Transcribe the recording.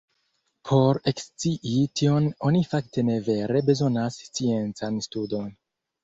Por ekscii tion oni fakte ne vere bezonas sciencan studon.